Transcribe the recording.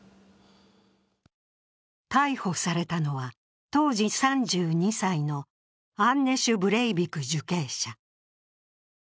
逮捕されたのは当時３２歳のアンネシュ・ブレイビク受刑者。